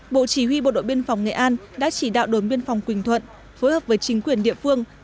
bộ chỉ huy bộ đội biên phòng nghệ an đã chỉ đạo đồn biên phòng quỳnh thuận phối hợp với chính quyền địa phương